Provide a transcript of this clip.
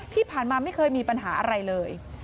ที่ผ่านมาไม่เคยมีปัญหาอะไรเลย